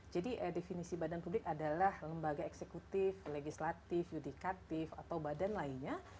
jadi definisi badan publik adalah lembaga eksekutif legislatif judikatif atau badan lainnya